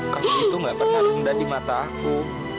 kamu itu nggak pernah rendah di mata aku